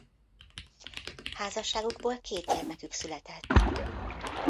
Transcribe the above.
Házasságukból két gyermekük született.